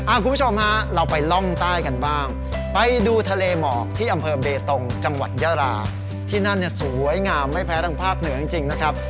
คุณผู้ชมฮะเราไปล่องใต้กันบ้างไปดูทะเลหมอกที่อำเภอเบตงจังหวัดยาราที่นั่นเนี่ยสวยงามไม่แพ้ทางภาคเหนือจริงจริงนะครับ